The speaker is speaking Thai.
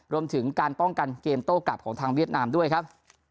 รวมถึงการป้องกันเกมโต้กลับของทางเวียดนามด้วยครับ